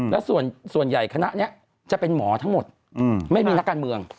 แล้วส่วนใหญ่คณะนี้จะเป็นหมอทั้งหมดไม่มีนักการเมือง